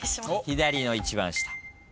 左の一番下。